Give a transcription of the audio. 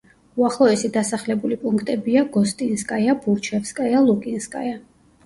უახლოესი დასახლებული პუნქტებია: გოსტინსკაია, ბურჩევსკაია, ლუკინსკაია.